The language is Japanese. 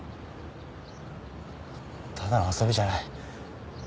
ただの遊びじゃない。